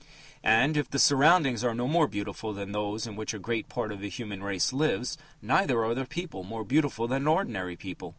And, if the surroundings are no more beautiful than those in which a great part of the human race lives, neither are the people more beautiful than ordinary people.